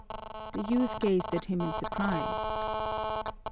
The youth gazed at him in surprise.